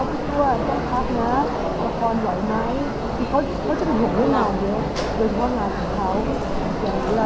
ก็อย่างงานละครที่เพื่อทำทั้งหรืออาทิตย์ทีมงานเขาบอกว่าไม่ได้